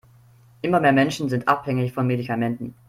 Immer mehr Menschen sind abhängig von Medikamenten.